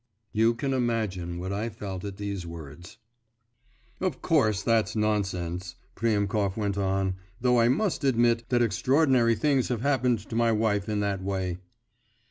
You can imagine what I felt at these words. 'Of course that's nonsense,' Priemkov went on; 'though I must admit that extraordinary things have happened to my wife in that way.